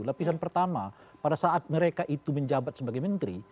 lapisan pertama pada saat mereka itu menjabat sebagai menteri